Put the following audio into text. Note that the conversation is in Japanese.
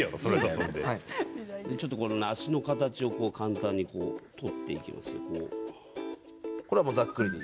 足の形を簡単に取っていきます。